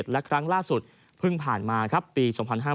และครั้งล่าสุดเพิ่งผ่านมาครับปี๒๕๕๙